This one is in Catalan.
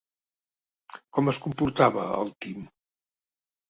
Com es comportava el Tim?